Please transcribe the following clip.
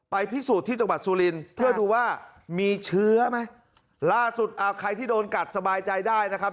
พิสูจน์ที่จังหวัดสุรินทร์เพื่อดูว่ามีเชื้อไหมล่าสุดอ่าใครที่โดนกัดสบายใจได้นะครับ